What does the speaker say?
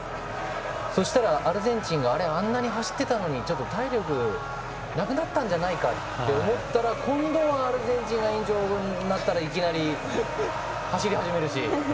そしたらアルゼンチンがあれ、あんなに走ってたのにちょっと体力がなくなったんじゃないかと思ったら今度は、アルゼンチンが延長になったらいきなり走り始めるし。